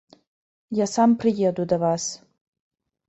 Я сам прыеду да вас.